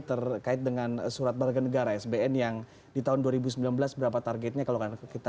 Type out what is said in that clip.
terkait dengan surat barga negara sbn yang di tahun dua ribu sembilan belas berapa targetnya kalau kita